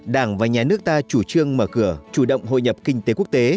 đảng và nhà nước ta chủ trương mở cửa chủ động hội nhập kinh tế quốc tế